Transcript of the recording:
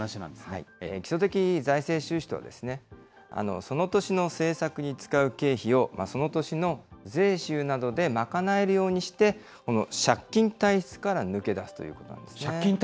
基礎的財政収支と、その年の政策に使う経費を、その年の税収などで賄えるようにして、この借金体質から抜け出すということなんですね。